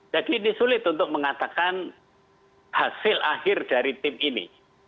jadi ini sulit untuk mengatakan hasil akhir dari tim ini